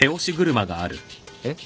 えっ。